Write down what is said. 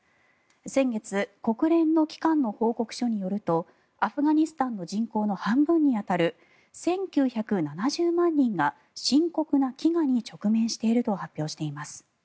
先月、国連の機関の報告書によるとアフガニスタンの人口の半分に当たる１９７０万人が深刻な飢餓に直面していると発表しています。